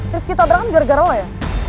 rifki tabrak kan gara gara lo ya